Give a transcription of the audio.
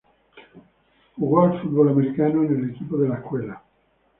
Él jugó al fútbol americano en el equipo de la escuela.